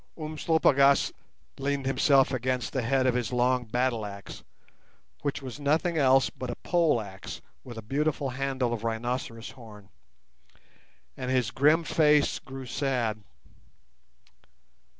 Umslopogaas leant himself upon the head of his long battleaxe (which was nothing else but a pole axe, with a beautiful handle of rhinoceros horn), and his grim face grew sad.